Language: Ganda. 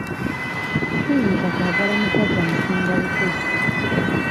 Siyinza kwagala mukazi ansinga bukulu.